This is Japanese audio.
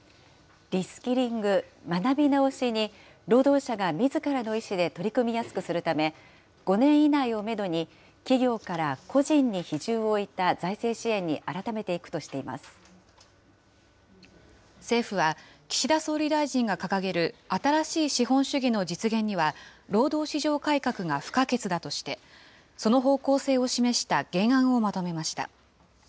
リスキリング・学び直しに、労働者がみずからの意思で取り組みやすくするため、５年以内をメドに、企業から個人に比重を置いた財政支援に改めていくとしてい政府は、岸田総理大臣が掲げる新しい資本主義の実現には、労働市場改革が不可欠だとして、その方向性を示した原案をまとめました。